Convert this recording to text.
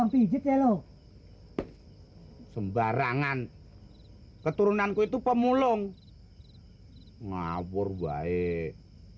pijit ya loh sembarangan keturunanku itu pemulung ngapur baik